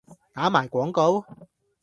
打埋廣告？